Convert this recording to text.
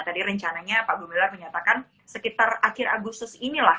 tadi rencananya pak gumilar menyatakan sekitar akhir agustus inilah